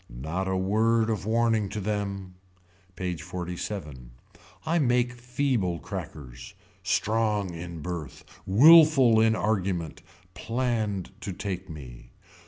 Not a word of warning to them. PAGE XLVII. I make feeble crackers. Strong in birth. Willful in argument. Planned to take me.